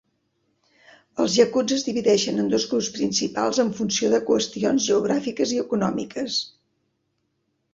Els yakuts es divideixen en dos grups principals en funció de qüestions geogràfiques i econòmiques.